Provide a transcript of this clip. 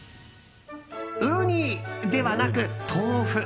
ウニではなく、豆腐。